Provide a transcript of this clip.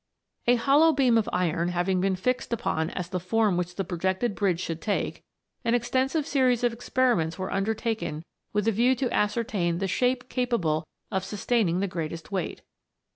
A hollow beam of iron having been fixed upon as the form which the projected bridge should take, an extensive series of experiments were undertaken with a view to ascertain the shape capable of sustaining the greatest weight.